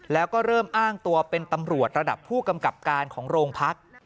แล้วก็เริ่มอ้างตัวเป็นตำรวจระดับผู้กำกับการของโรงพัก